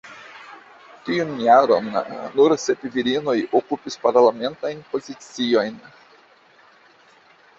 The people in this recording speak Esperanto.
Tiun jaron, nur sep virinoj okupis parlamentajn poziciojn.